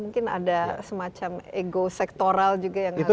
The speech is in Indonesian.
mungkin ada semacam ego sektoral juga yang harus